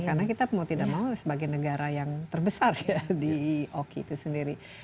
karena kita mau tidak mau sebagai negara yang terbesar ya di oki itu sendiri